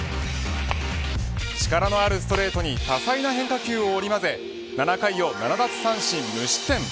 力のあるストレートに多彩な変化球を織り交ぜ７回を７奪三振無失点。